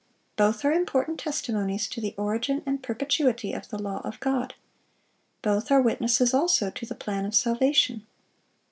Both are important testimonies to the origin and perpetuity of the law of God. Both are witnesses also to the plan of salvation.